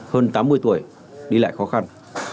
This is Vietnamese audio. hơn tám mươi tuổi đi lại khó khăn